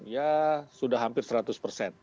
ya sudah hampir seratus persen